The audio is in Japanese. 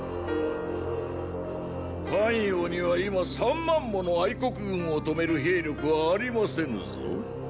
咸陽には今三万もの国軍を止める兵力はありませぬぞ。